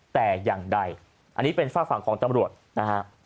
แต่อย่างใดอันนี้เป็นฝากฝั่งของตำรวจนะฮะ